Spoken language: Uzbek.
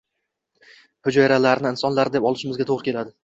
hujayralarni insonlar deb olishimizga to‘g‘ri keladi.